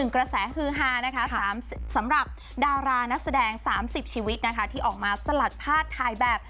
กระแสฮือฮานะคะสำหรับดารานักแสดง๓๐ชีวิตนะคะที่ออกมาสลัดภาพถ่ายแบบ